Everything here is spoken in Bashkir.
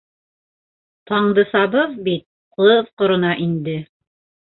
- Тандысабыҙ бит... ҡыҙ ҡорона инде!